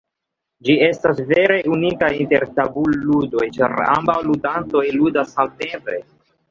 Ĝi estas vere unika inter tabulludoj, ĉar ambaŭ ludantoj ludas samtempe.